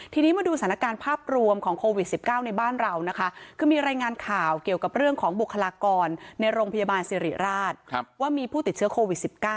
ทีนี้มาดูสถานการณ์ภาพรวมของโควิด๑๙ในบ้านเรานะคะคือมีรายงานข่าวเกี่ยวกับเรื่องของบุคลากรในโรงพยาบาลสิริราชว่ามีผู้ติดเชื้อโควิด๑๙